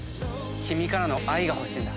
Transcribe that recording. キミからの愛が欲しいんだ。